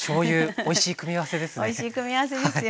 おいしい組み合わせですよね。